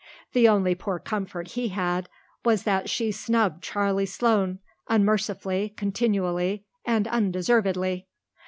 The only poor comfort he had was that she snubbed Charlie Sloane, unmercifully, continually, and undeservedly.